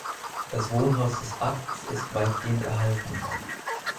Das Wohnhaus des Abts ist weitgehend erhalten.